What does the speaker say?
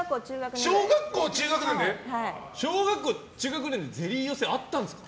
小学校中学年くらい。小学校中学年でゼリー寄せあったんですか？